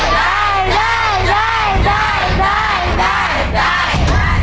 ได้